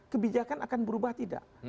kebijakan akan berubah tidak